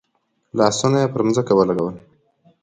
لاسونه یې پر ځمکه ولګول.